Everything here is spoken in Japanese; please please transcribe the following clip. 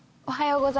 おはよう。